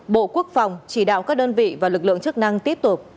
bộ quốc phòng chỉ đạo các đơn vị và lực lượng chức năng tiếp tục